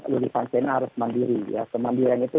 lulusan china harus mandiri ya kemandirian itu